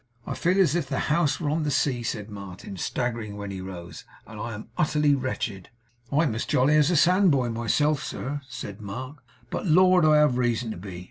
'I feel as if the house were on the sea' said Martin, staggering when he rose; 'and am utterly wretched.' 'I'm as jolly as a sandboy, myself, sir,' said Mark. 'But, Lord, I have reason to be!